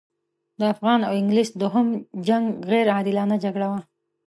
د افغان او انګلیس دوهم جنګ غیر عادلانه جګړه وه.